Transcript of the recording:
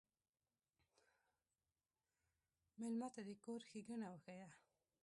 مېلمه ته د کور ښيګڼه وښیه.